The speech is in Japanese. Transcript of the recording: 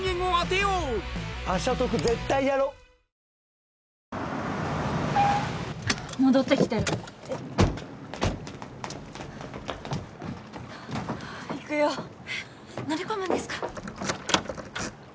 えっ乗り込むんですか？